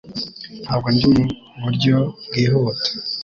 Ntabwo ndi muburyo bwihuta